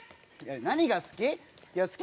何が好き？